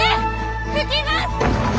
吹きます！